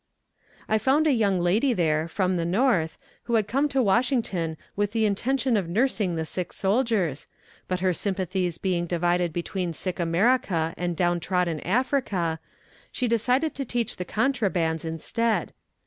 I found a young lady there, from the North, who had come to Washington with the intention of nursing the sick soldiers, but her sympathies being divided between sick America and down trodden Africa, she decided to teach the contrabands instead.